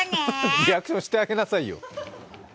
リアクションしてあげなさいよ。